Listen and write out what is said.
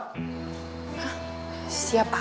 hah siap apa